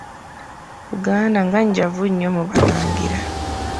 Buganda nga njavu nnyo mu balangira.